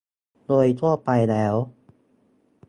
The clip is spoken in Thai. โดยทั่วไปแล้ว